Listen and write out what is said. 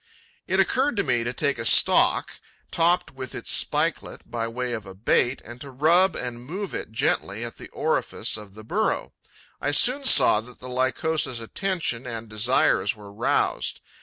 'It occurred to me to take a stalk, topped with its spikelet, by way of a bait, and to rub and move it gently at the orifice of the burrow. I soon saw that the Lycosa's attention and desires were roused.